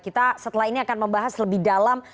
kita setelah ini akan membahas lebih dalam